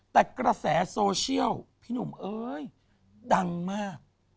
แต่กระแสโซเชียลพี่หนุ่มเอ้ยดังมาก